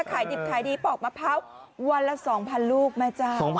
ขายดีปลอกมะพร้าววันละ๒๐๐๐ลูกมาจ้าง